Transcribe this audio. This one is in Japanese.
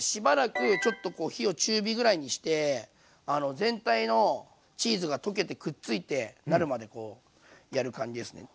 ちょっとこう火を中火ぐらいにして全体のチーズが溶けてくっついてなるまでこうやる感じですね。